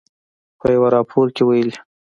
په یوه راپور کې ویلي